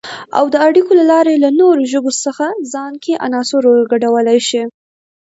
او د اړیکو له لارې له نورو ژبو څخه ځان کې عناصر ورګډولای شي